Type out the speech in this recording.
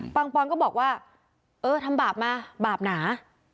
ปอนก็บอกว่าเออทำบาปมาบาปหนา